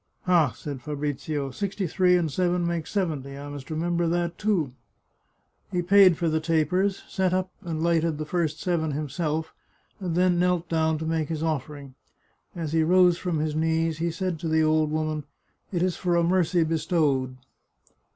" Ha !" said Fabrizio. " Sixty three and seven make seventy; I must remember that, too." He paid for the tapers, set up and lighted the first seven himself, and then knelt down to make his offering. As he rose from his knees he said to the old woman, " It is for a mercy bestowed."